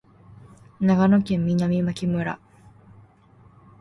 長野県南牧村